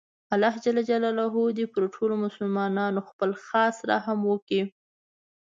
الله ﷻ دې پر ټولو مسلماناتو خپل خاص رحم وکړي